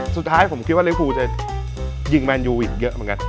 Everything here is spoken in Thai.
สุดท้ายผมคิดว่าลิฟูจะยิงแมนยูอีกเยอะเหมือนกัน